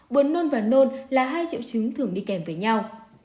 buồn nôn và nôn là hai triệu chứng thường đi kèm với nhau